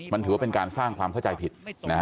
มันถือว่าเป็นการสร้างความเข้าใจผิด